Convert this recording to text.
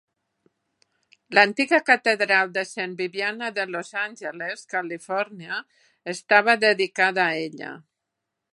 L'antiga catedral de Saint Vibiana de Los Angeles, Califòrnia, estava dedicada a ella.